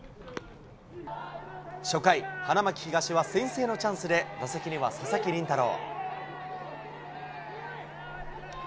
初回、花巻東は先制のチャンスで、打席には佐々木麟太郎。